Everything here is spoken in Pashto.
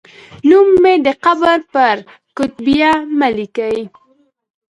نوم مې د قبر پر کتیبه مه لیکئ